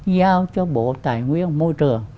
giao cho bộ tài nguyên môi trường